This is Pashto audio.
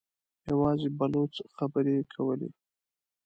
يواځې بلوڅ خبرې کولې.